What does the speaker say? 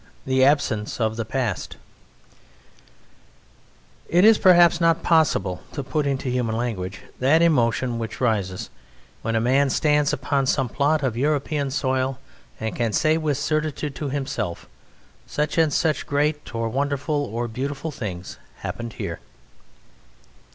The Absence of the Past It is perhaps not possible to put into human language that emotion which rises when a man stands upon some plot of European soil and can say with certitude to himself: "Such and such great, or wonderful, or beautiful things happened here."